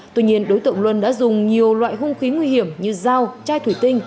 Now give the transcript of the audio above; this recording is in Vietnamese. tuy nhiên đối tượng luân đã dùng nhiều loại hung khí nguy hiểm như dao chai thủy tinh